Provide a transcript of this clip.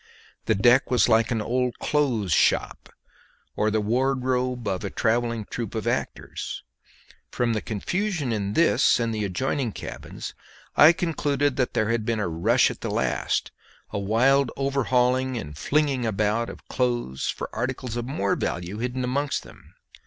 The deck was like an old clothes' shop, or the wardrobe of a travelling troop of actors. From the confusion in this and the ajoining cabins, I concluded that there had been a rush at the last, a wild overhauling and flinging about of clothes for articles of more value hidden amongst them.